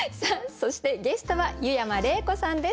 そしてゲストは湯山玲子さんです。